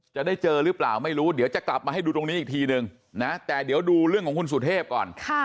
จะได้เจอหรือเปล่าไม่รู้เดี๋ยวจะกลับมาให้ดูตรงนี้อีกทีนึงนะแต่เดี๋ยวดูเรื่องของคุณสุเทพก่อน